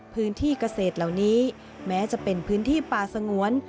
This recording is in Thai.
พื้นที่เกษตรเหล่านี้แม้จะเป็นพื้นที่ป่าสงวน